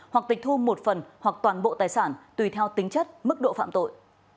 hoặc tịch thu một phần hoặc toàn bộ tài sản tùy theo tính chất mức độ phạm tội